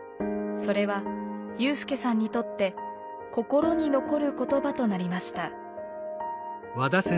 それは有さんにとって心に残る言葉となりました。